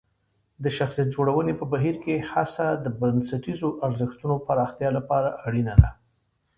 د شخصیت جوړونې په بهیر کې هڅه د بنسټیزو ارزښتونو پراختیا لپاره اړینه ده.